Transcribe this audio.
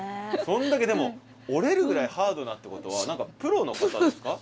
そんだけでも折れるぐらいハードだってことはプロの方ですか？